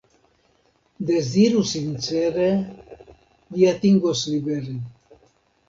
Deziru sincere, vi atingos libere.